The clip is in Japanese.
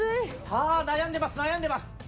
さあ悩んでます悩んでます！